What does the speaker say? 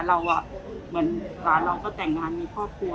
ไลยาเราเหมือนพาเราก็แต่งงานมีครอบครัว